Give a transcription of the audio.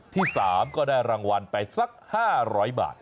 ที่๓ก็ได้รางวัลไปสัก๕๐๐บาท